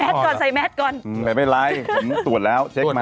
เออใส่แม็ตก่อนเหมือนไม่ไหลตรวจแล้ว